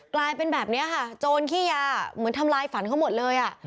กลายเป็นแบบนี้ค่ะโจรขี้ยาเหมือนทำลายฝันเขาหมดเลยอ่ะ